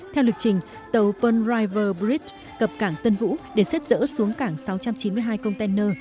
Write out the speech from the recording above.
theo lịch trình tàu pearl river bridge cập cảng tân vũ để xếp dỡ xuống cảng sáu trăm chín mươi hai container